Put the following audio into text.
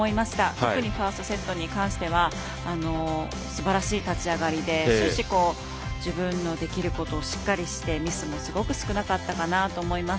特にファーストセットに関してはすばらしい立ち上がりで自分にできることをしっかりして、ミスもすごく少なかったかなと思います。